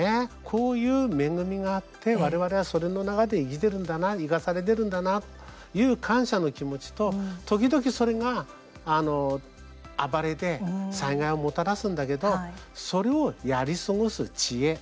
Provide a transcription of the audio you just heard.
こういう恵みがあってわれわれはそれの中で生きてるんだな生かされるんだなという感謝の気持ちと時々、それが暴れて災害をもたらすんだけどそれをやり過ごす知恵